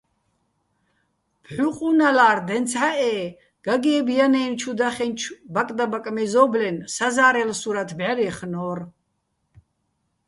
ფჰ̦უ ყუნალა́რ დენცჰ̦ა́ჸ-ე გაგე́ბ ჲანა́ჲნო̆ ჩუ დახენჩო̆ ბაკდაბაკ მეზო́ბლენ საზა́რელ სურათ ბჵარჲეხნო́რ.